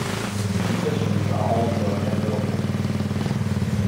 Concessions are also available.